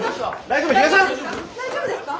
大丈夫ですか？